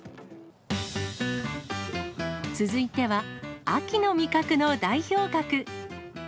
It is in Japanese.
続いては、秋の味覚の代表格。